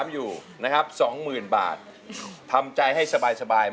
อยู่นะครับสองหมื่นบาททำใจให้สบาย